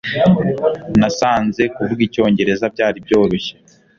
Nasanze kuvuga icyongereza byari byoroshye